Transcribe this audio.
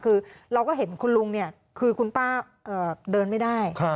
คือเราก็เห็นคุณลุงเนี่ยคือคุณป้าเดินไม่ได้